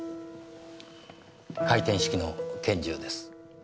回転式の拳銃です。